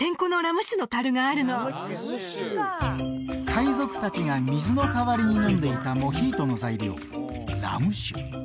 海賊達が水の代わりに飲んでいたモヒートの材料ラム酒